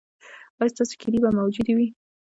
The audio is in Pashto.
ایا ستاسو کیلي به موجوده وي؟